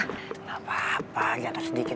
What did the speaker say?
gak apa apa jatuh sedikit